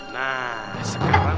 kasih l bases